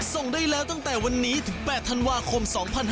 ส่งได้แล้วตั้งแต่วันนี้ถึง๘ธันวาคม๒๕๕๙